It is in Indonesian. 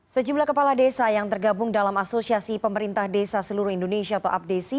sejumlah kepala desa yang tergabung dalam asosiasi pemerintah desa seluruh indonesia atau apdesi